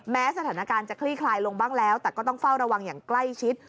สถานการณ์จะคลี่คลายลงบ้างแล้วแต่ก็ต้องเฝ้าระวังอย่างใกล้ชิด